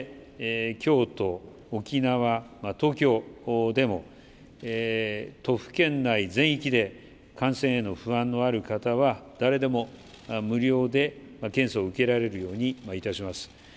京都、沖縄、東京でも、都府県内全域で、感染への不安のある方は、誰でも無料で検査を受けられるようにいたします。